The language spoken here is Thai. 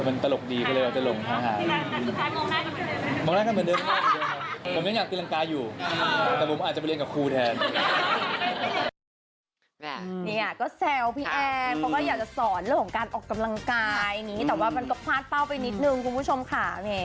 ว่าแซลอาพี่แอ็นเขาก็อยากจะสอนเรื่องการออกกำลังกายแต่มันก็คลาดเป้าไปนิดนึงคุณผู้ชมค่ะ